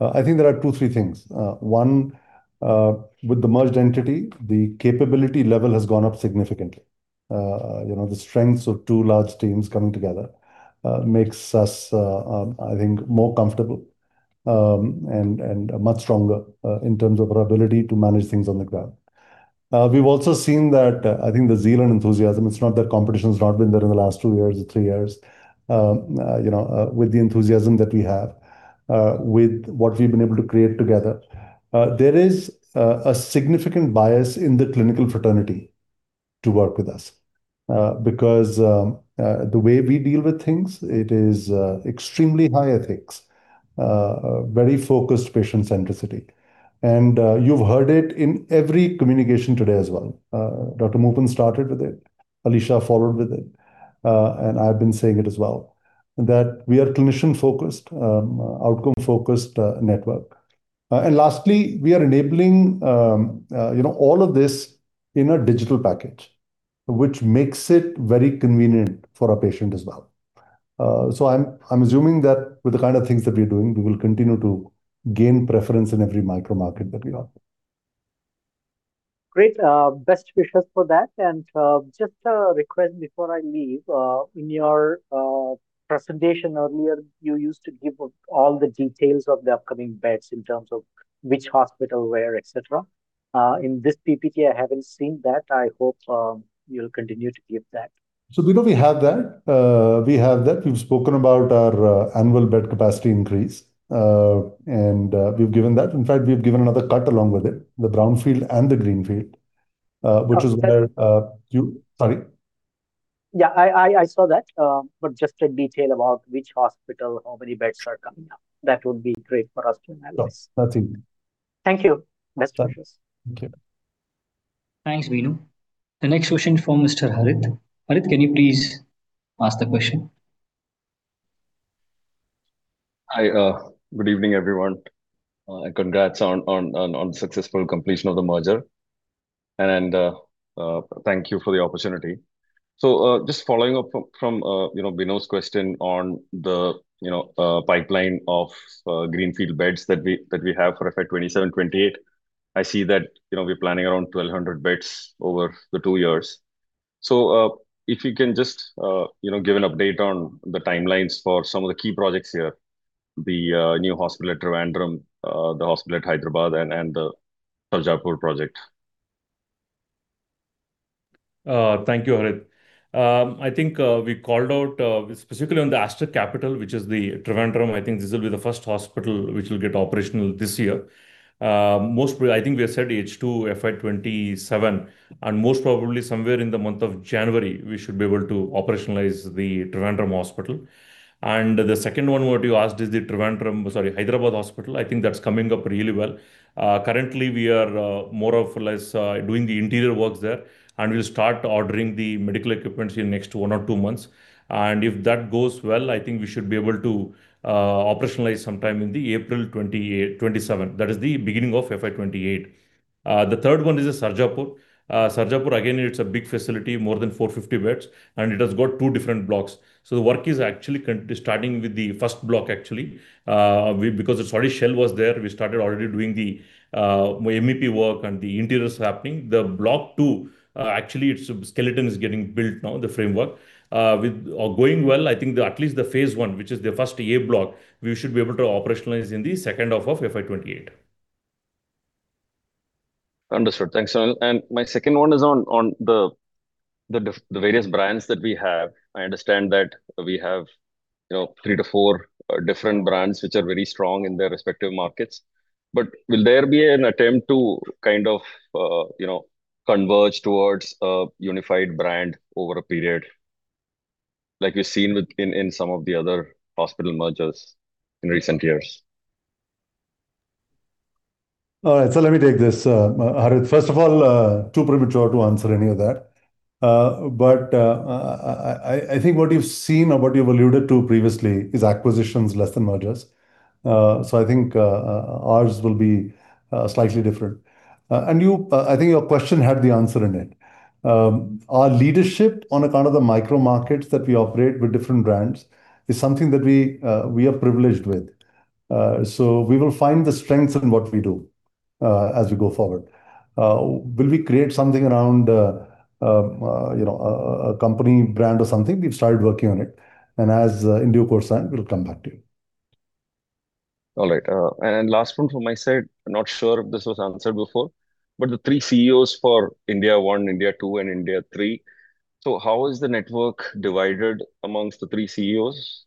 I think there are two, three things. One, with the merged entity, the capability level has gone up significantly. The strengths of two large teams coming together makes us, I think, more comfortable, and much stronger in terms of our ability to manage things on the ground. We've also seen that I think the zeal and enthusiasm, it's not that competition's not been there in the last two years or three years. With the enthusiasm that we have, with what we've been able to create together, there is a significant bias in the clinical fraternity to work with us. Because the way we deal with things, it is extremely high ethics, very focused patient centricity. You've heard it in every communication today as well. Dr. Moopen started with it, Alisha followed with it, and I've been saying it as well, that we are clinician-focused, outcome-focused network. Lastly, we are enabling all of this in a digital package, which makes it very convenient for our patient as well. I'm assuming that with the kind of things that we're doing, we will continue to gain preference in every micro market that we are. Great. Best wishes for that. Just a request before I leave. In your presentation earlier, you used to give all the details of the upcoming beds in terms of which hospital, where, et cetera. In this PPT, I haven't seen that. I hope you'll continue to give that. Bino, we have that. We've spoken about our annual bed capacity increase. We've given that. In fact, we've given another cut along with it, the brownfield and the greenfield, which is where, sorry? Yeah, I saw that. Just a detail about which hospital, how many beds are coming up. That would be great for us to analyze. Yes, noted. Thank you. Best wishes. Thank you. Thanks, Bino. The next question from Mr. Harit. Harit, can you please ask the question? Hi. Good evening, everyone. Congrats on successful completion of the merger. Thank you for the opportunity. Just following up from Bino's question on the pipeline of greenfield beds that we have for FY 2027, 2028. I see that we're planning around 1,200 beds over the two years. If you can just give an update on the timelines for some of the key projects here, the new hospital at Trivandrum, the hospital at Hyderabad, and the Sarjapur project. Thank you, Harit. I think we called out specifically on the Aster Capital, which is the Trivandrum. I think this will be the first hospital which will get operational this year. I think we have said H2 FY 2027, and most probably somewhere in the month of January, we should be able to operationalize the Trivandrum hospital. The second one what you asked is the Hyderabad hospital. I think that's coming up really well. Currently, we are more or less doing the interior works there, and we'll start ordering the medical equipments in next one or two months. If that goes well, I think we should be able to operationalize sometime in the April 2027. That is the beginning of FY 2028. The third one is Sarjapur. Sarjapur, again, it's a big facility, more than 450 beds, and it has got two different blocks. The work is actually starting with the first block. Because already shell was there, we started already doing the MEP work, and the interior is happening. The block two, actually its skeleton is getting built now, the framework. Going well, I think at least the phase I, which is the first A block, we should be able to operationalize in the second half of FY 2028. Understood. Thanks. My second one is on the various brands that we have. I understand that we have three to four different brands which are very strong in their respective markets. Will there be an attempt to kind of converge towards a unified brand over a period like we've seen in some of the other hospital mergers in recent years? All right. Let me take this, Harit. First of all, too premature to answer any of that. I think what you've seen or what you've alluded to previously is acquisitions less than mergers. I think ours will be slightly different. I think your question had the answer in it. Our leadership on account of the micro markets that we operate with different brands is something that we are privileged with. We will find the strengths in what we do as we go forward. Will we create something around a company brand or something? We've started working on it, and as in due course time, we'll come back to you. Last one from my side. Not sure if this was answered before, the three CEOs for India one, India two, and India three. How is the network divided amongst the three CEOs?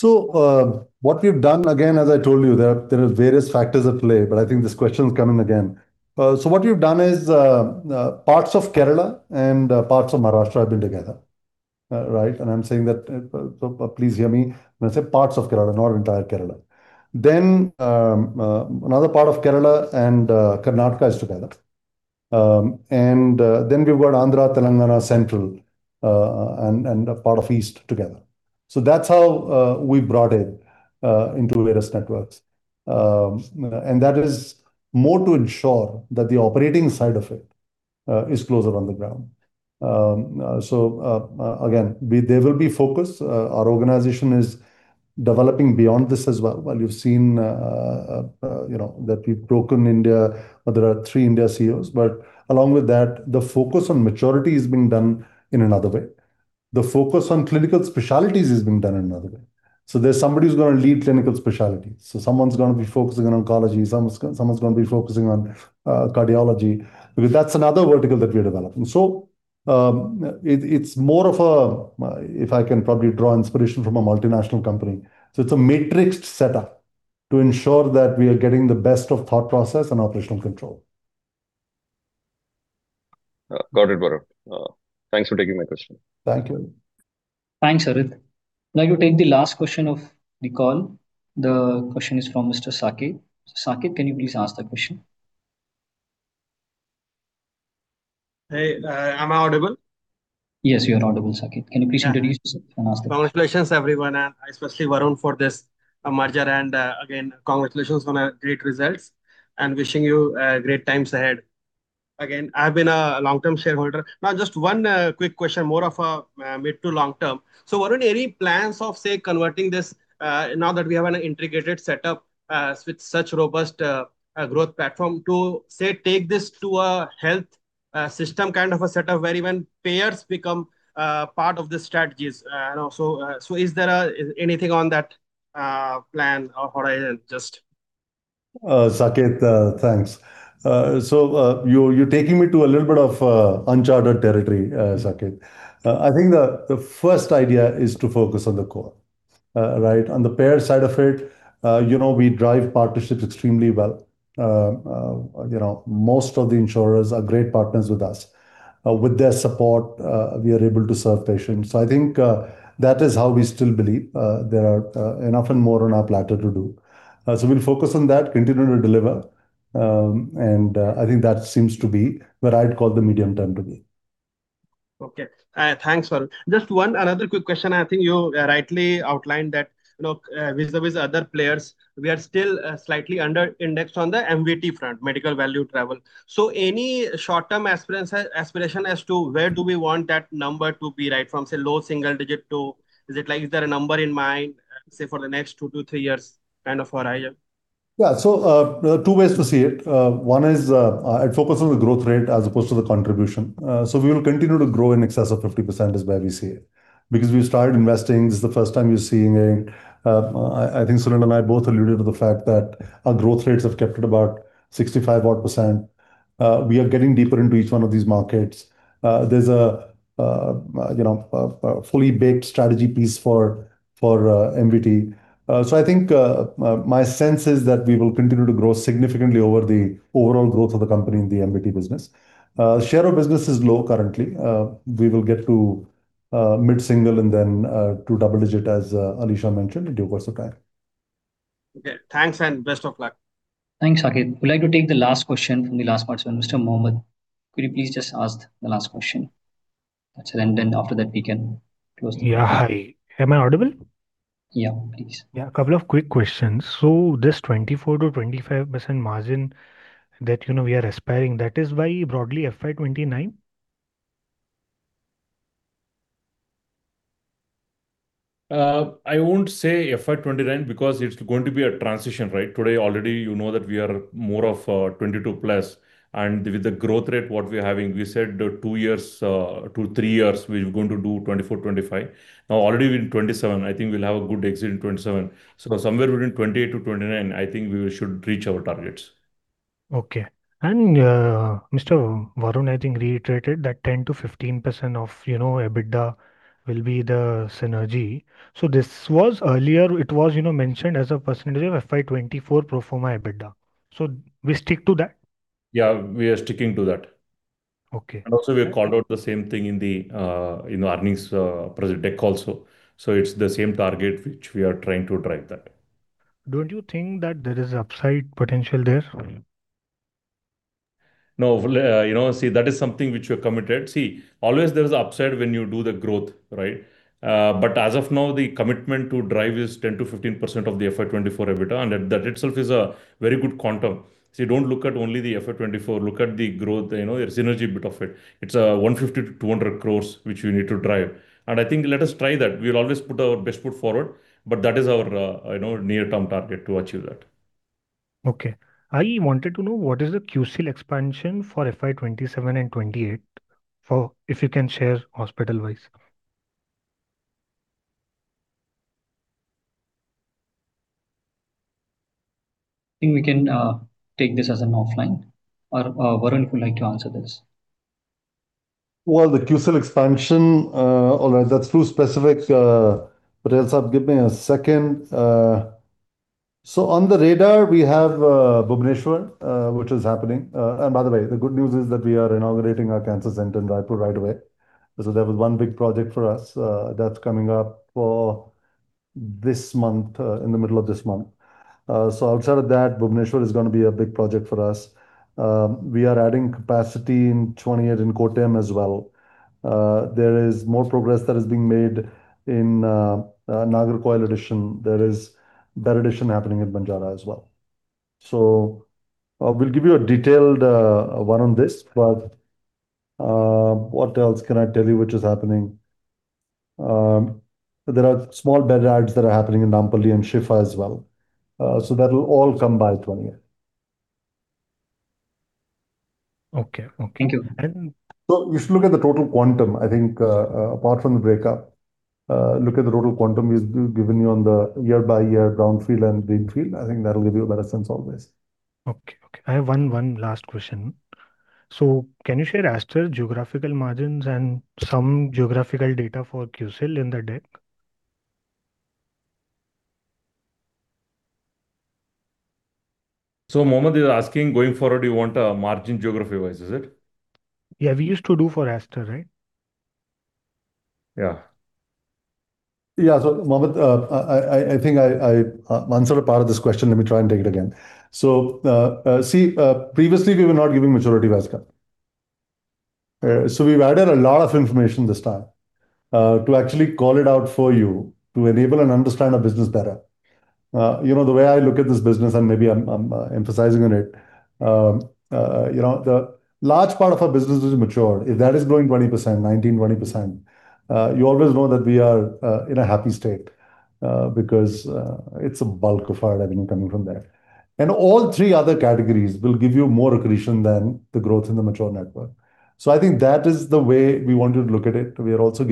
What we've done, again, as I told you there are various factors at play, I think this question's coming again. What we've done is parts of Kerala and parts of Maharashtra have been together. Right? I'm saying that, please hear me when I say parts of Kerala, not entire Kerala. Another part of Kerala and Karnataka is together. We've got Andhra, Telangana, Central, and a part of East together. That's how we brought it into various networks. That is more to ensure that the operating side of it is closer on the ground. Again, there will be focus. Our organization is developing beyond this as well. While you've seen that we've broken India, or there are three India CEOs. Along with that, the focus on maturity is being done in another way. The focus on clinical specialties is being done in another way. There's somebody who's gonna lead clinical specialties. Someone's gonna be focusing on oncology, someone's gonna be focusing on cardiology, because that's another vertical that we are developing. It's more of a, if I can probably draw inspiration from a multinational company. It's a matrixed setup to ensure that we are getting the best of thought process and operational control. Got it, Varun. Thanks for taking my question. Thank you. Thanks, Harit. You take the last question of the call. The question is from Mr. Saket. Saket, can you please ask the question? Hey, am I audible? Yes, you are audible, Saket. Can you please introduce yourself and ask the question? Congratulations, everyone, and especially Varun for this merger. Again, congratulations on the great results. Wishing you great times ahead. Again, I've been a long-term shareholder. Just one quick question, more of a mid to long term. Varun, any plans of, say, converting this, now that we have an integrated setup with such robust growth platform, to, say, take this to a health system kind of a setup where even payers become part of the strategies? Is there anything on that plan or horizon just? Saket, thanks. You're taking me to a little bit of unchartered territory, Saket. I think the first idea is to focus on the core. Right? On the payer side of it, we drive partnerships extremely well. Most of the insurers are great partners with us. With their support, we are able to serve patients. I think that is how we still believe there are enough and more on our platter to do. We'll focus on that, continue to deliver, I think that seems to be where I'd call the medium term to be. Okay. Thanks, Varun. Just one another quick question. I think you rightly outlined that vis-à-vis other players, we are still slightly under-indexed on the MVT front, medical value travel. Any short-term aspiration as to where do we want that number to be, right from, say, low single digit to, is there a number in mind, say, for the next two to three years kind of horizon? Yeah. There are two ways to see it. One is, I'd focus on the growth rate as opposed to the contribution. We will continue to grow in excess of 50%, is where we see it. Because we've started investing, this is the first time you're seeing it. I think Sunil and I both alluded to the fact that our growth rates have kept at about 65% odd. We are getting deeper into each one of these markets. There's a fully baked strategy piece for MVT. I think, my sense is that we will continue to grow significantly over the overall growth of the company in the MVT business. Share of business is low currently. We will get to mid-single and then to double digit as Alisha mentioned, in due course of time. Okay. Thanks and best of luck. Thanks, Saket. We'd like to take the last question from the last participant, Mr. Mohammed. Could you please just ask the last question? That's it, and then after that we can close the call. Yeah. Hi. Am I audible? Yeah, please. Yeah, a couple of quick questions. This 24%-25% margin that we are aspiring, that is by broadly FY 2029? I won't say FY 2029 because it's going to be a transition, right? Today already you know that we are more of 22%+, and with the growth rate what we're having, we said two years to three years, we're going to do 24%, 25%. Now, already we're in 2027. I think we'll have a good exit in 2027. Somewhere between 2028 to 2029, I think we should reach our targets. Okay. Mr. Varun, I think, reiterated that 10%-15% of EBITDA will be the synergy. This was earlier, it was mentioned as a percentage of FY 2024 pro forma EBITDA. We stick to that? Yeah. We are sticking to that. Okay. We have called out the same thing in the earnings present deck also. It's the same target which we are trying to drive that. Don't you think that there is upside potential there? that is something which we are committed. always there is upside when you do the growth, right? But as of now, the commitment to drive is 10%-15% of the FY 2024 EBITDA, and that itself is a very good quantum. don't look at only the FY 2024, look at the growth, the synergy bit of it. It's 150 crore-200 crore, which we need to drive. I think, let us try that. We'll always put our best foot forward, but that is our near-term target to achieve that. I wanted to know what is the QCIL expansion for FY 2027 and FY 2028, if you can share hospital-wise. I think we can take this as an offline. Varun, if you would like to answer this. The QCIL expansion. All right, that's too specific, but give me a second. On the radar we have Bhubaneswar, which is happening. By the way, the good news is that we are inaugurating our cancer center in Raipur right away. That was one big project for us. That's coming up in the middle of this month. Outside of that, Bhubaneswar is going to be a big project for us. We are adding capacity in 2028 in Kottayam as well. There is more progress that is being made in Nagercoil addition. There is bed addition happening in Banjara Hills as well. We'll give you a detailed one on this. What else can I tell you which is happening? There are small bed adds that are happening in Nampally and Shifa as well. That will all come by 2028. Okay. Thank you. You should look at the total quantum. I think, apart from the breakup, look at the total quantum we've given you on the year-by-year brownfield and greenfield. I think that'll give you a better sense always. Okay. I have one last question. Can you share Aster geographical margins and some geographical data for QCIL in the deck? Mohammed is asking, going forward, you want margin geography-wise, is it? Yeah, we used to do for Aster, right? Yeah. Mohammed, I think I answered a part of this question. Let me try and take it again. See, previously we were not giving maturity-wise cuts. We've added a lot of information this time, to actually call it out for you to enable and understand our business better. The way I look at this business, and maybe I'm emphasizing on it. The large part of our business is mature. If that is growing 19%, 20%, you always know that we are in a happy state, because it's a bulk of our revenue coming from there. All three other categories will give you more accretion than the growth in the mature network. I think that is the way we want to look at it. We are also,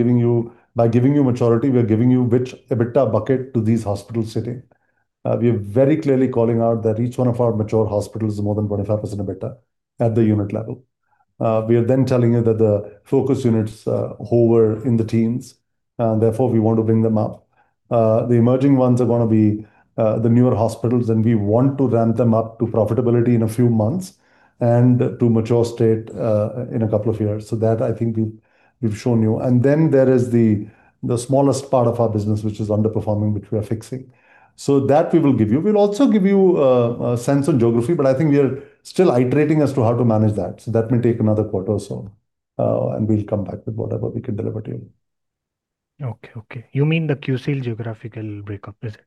by giving you maturity, we are giving you which EBITDA bucket to these hospitals sitting. We are very clearly calling out that each one of our mature hospitals is more than 25% EBITDA at the unit level. We are then telling you that the focus units, Hoar in the teens, therefore we want to bring them up. The emerging ones are going to be the newer hospitals, and we want to ramp them up to profitability in a few months and to mature state in a couple of years. That, I think, we've shown you. There is the smallest part of our business, which is underperforming, which we are fixing. That, we will give you. We'll also give you a sense of geography, I think we are still iterating as to how to manage that. That may take another quarter or so, and we'll come back with whatever we can deliver to you. Okay. You mean the QCIL geographical breakup, is it?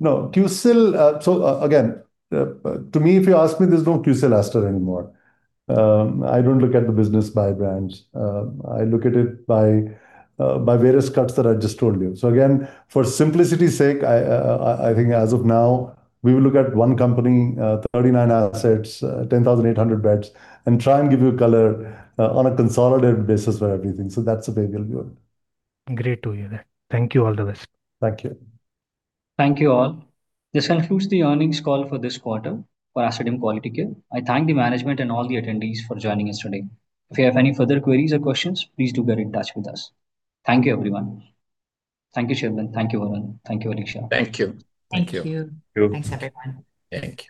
No. QCIL, again, to me, if you ask me, there's no QCIL Aster anymore. I don't look at the business by brands. I look at it by various cuts that I just told you. Again, for simplicity's sake, I think as of now, we will look at one company, 39 assets, 10,800 beds, and try and give you color on a consolidated basis for everything. That's the way we'll view it. Great to hear that. Thank you. All the best. Thank you. Thank you all. This concludes the earnings call for this quarter for Aster DM Quality Care. I thank the management and all the attendees for joining us today. If you have any further queries or questions, please do get in touch with us. Thank you, everyone. Thank you, Sunil. Thank you, Varun. Thank you, Alisha. Thank you. Thank you. Thank you. Thanks, everyone. Thank you.